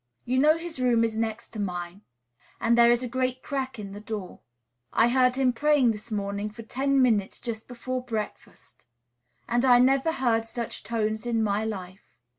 You know his room is next to mine, and there is a great crack in the door. I heard him praying, this morning, for ten minutes, just before breakfast; and I never heard such tones in my life.